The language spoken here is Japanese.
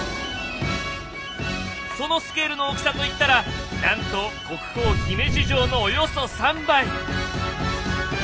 そのスケールの大きさといったらなんと国宝姫路城のおよそ３倍！